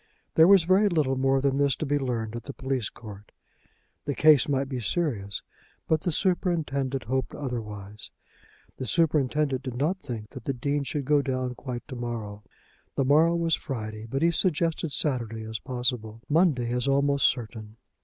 There was very little more than this to be learned at the police court. The case might be serious, but the superintendent hoped otherwise. The superintendent did not think that the Dean should go down quite to morrow. The morrow was Friday; but he suggested Saturday as possible, Monday as almost certain.